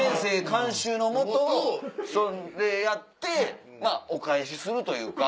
監修の下やってお返しするというか。